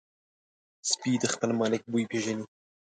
سپي د خپل مالک بوی پېژني.